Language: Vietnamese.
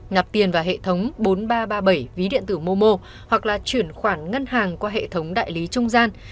nạp tiền vào hệ thống bốn nghìn ba trăm ba mươi bảy ví điện tử momo hoặc là chuyển khoản ngân hàng qua hệ thống đại lý trung gian